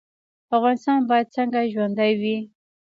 افغانستان باید څنګه ژوندی وي؟